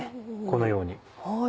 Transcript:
このように。